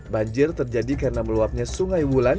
banjir terjadi karena meluapnya sungai wulan